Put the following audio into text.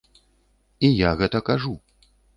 І я гэта кажу.